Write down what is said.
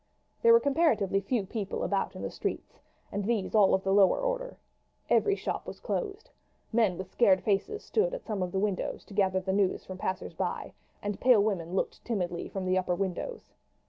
There were comparatively few people about the streets, and these all of the lower order. Every shop was closed. Men with scared faces stood at some of the doors to gather the news from passers by, and pale women looked timidly from the upper windows.